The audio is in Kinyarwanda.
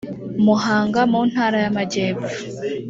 muhanga mu ntara y amajyepfo